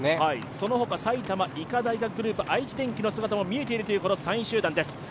そのほか埼玉医科大学、愛知電機の姿も見えているという３位集団です。